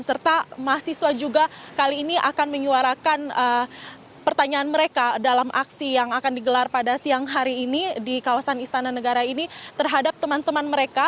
serta mahasiswa juga kali ini akan menyuarakan pertanyaan mereka dalam aksi yang akan digelar pada siang hari ini di kawasan istana negara ini terhadap teman teman mereka